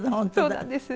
そうなんです。